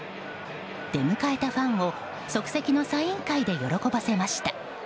出迎えたファンを即席のサイン会で喜ばせました。